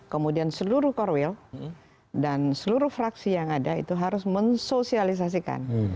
kemudian seluruh korwil dan seluruh fraksi yang ada itu harus mensosialisasikan